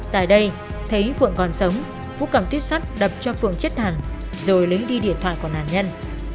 tại đây thấy phượng còn sống vũ cầm tiếp sắt đập cho phượng chết thẳng rồi lấy đi điện thoại của nạn nhân